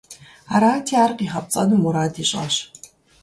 Арати ар къигъэпцӀэну мурад ищӀащ.